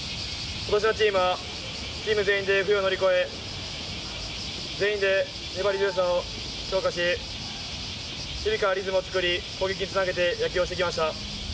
今年のチームはチーム全員で、冬を乗り越え全員で粘り強さを昇華し守備からリズムを作り攻撃につなげて野球をしてきました。